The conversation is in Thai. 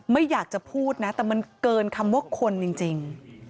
ไม่อยากจะพูดนะแต่มันเกินคำว่าคนจริง